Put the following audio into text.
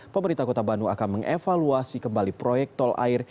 pemerintah kota bandung akan mengevaluasi kembali proyek tol air